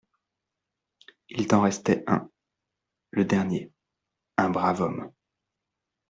Il t’en restait un… le dernier… un brave homme…